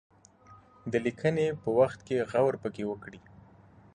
د لیکني په وخت کې غور پکې وکړي.